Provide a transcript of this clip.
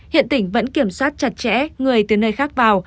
hiện tỉnh vẫn kiểm soát chặt chẽ người từ nơi khác vào